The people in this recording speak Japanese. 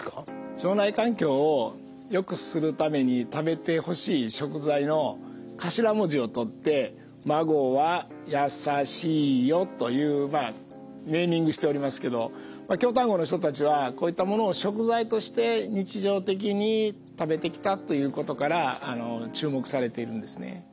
腸内環境をよくするために食べてほしい食材の頭文字を取って「まごわやさしいよ」というネーミングしておりますけど京丹後の人たちはこういったものを食材として日常的に食べてきたということから注目されているんですね。